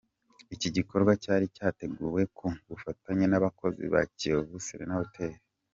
Iki gikorwa cyari cyateguwe ku bufatanye nabakozi ba Kivu Serena Hotel.